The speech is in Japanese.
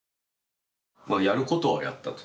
やることはやったと。